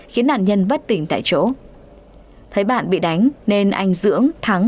khiến nạn nhân bất tỉnh tại chỗ thấy bạn bị đánh nên anh dưỡng thắng